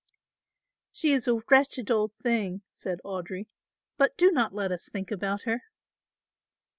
"She is a wretched old thing," said Audry, "but do not let us think about her."